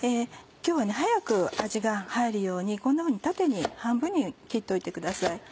今日は早く味が入るようにこんなふうに縦に半分に切っておいてください。